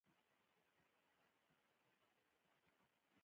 دوی د اقتصادي ګټو لپاره ونې پرې کوي.